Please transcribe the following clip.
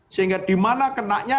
sehingga dimana kenanya